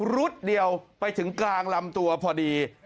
รุดเดียวไปถึงกลางลำตัวพอดี